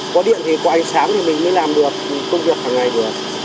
có điện thì có ánh sáng thì mình mới làm được công việc hàng ngày được